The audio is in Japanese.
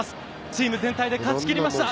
チーム全体で勝ち切りました。